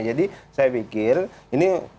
jadi saya pikir ini